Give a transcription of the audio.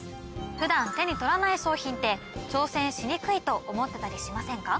普段手に取らない商品って挑戦しにくいと思ってたりしませんか？